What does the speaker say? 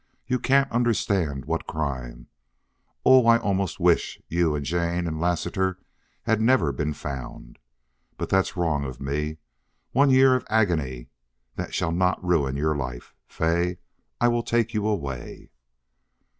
You can't understand what crime. Oh, almost I wish you and Jane and Lassiter had never been found. But that's wrong of me. One year of agony that shall not ruin your life. Fay, I will take you away."